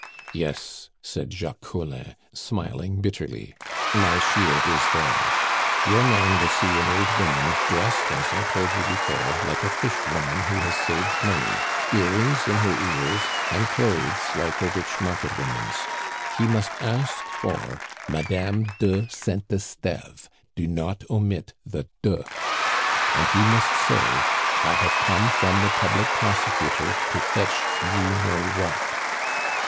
"Yes," said Jacques Collin, smiling bitterly, "my shield is there. Your man will see an old woman dressed, as I told you before, like a fish woman who has saved money earrings in her ears, and clothes like a rich market woman's. He must ask for Madame de Saint Esteve. Do not omit the DE. And he must say, 'I have come from the public prosecutor to fetch you know what.